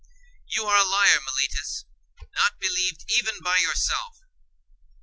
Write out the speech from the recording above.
You are a liar, Meletus, not believed even by yourself.